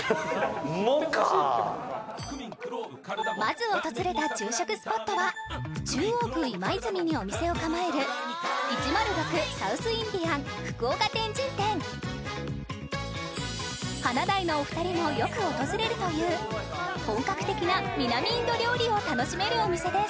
まず訪れた昼食スポットは中央区今泉にお店を構える華大のお二人もよく訪れるという本格的な南インド料理を楽しめるお店です